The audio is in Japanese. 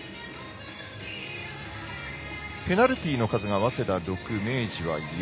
ペナルティの数が早稲田、６明治が４。